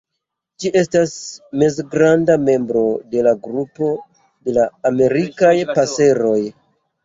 Ĝi estas mezgranda membro de la grupo de la Amerikaj paseroj.